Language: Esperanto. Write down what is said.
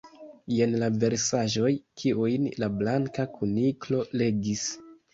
Jen la versaĵoj kiujn la Blanka Kuniklo legis.